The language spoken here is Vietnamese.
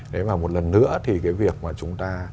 nếu mà một lần nữa thì cái việc mà chúng ta